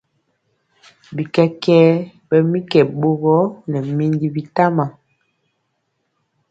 Bikɛkɛ ɓɛ mi kɛ ɓogɔ nɛ minji bitama.